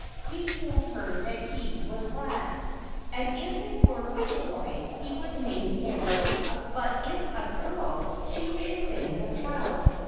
He told her that he was glad, and if it were a boy he would name him, but if a girl she should name the child.